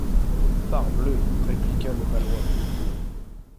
Parbleu, répliqua le malouin.